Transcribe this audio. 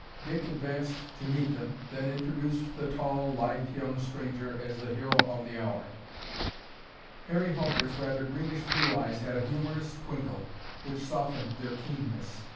Dick advanced to meet them, then introduced the tall, lithe young stranger as the "hero of the hour." Harry Hulbert's rather greenish blue eyes had a humorous twinkle which softened their keenness.